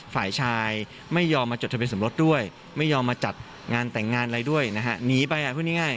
ฝ่ายชายไม่ยอมมาจดทะเบียนสมรสด้วยไม่ยอมมาจัดงานแต่งงานอะไรด้วยนะฮะหนีไปอ่ะพูดง่าย